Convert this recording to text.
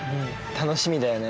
楽しみだよね。